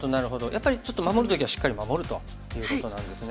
やっぱりちょっと守る時はしっかり守るということなんですね。